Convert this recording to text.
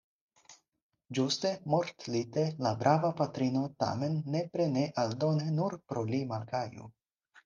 Ĝuste mortlite la brava patrino tamen nepre ne aldone nur pro li malgaju.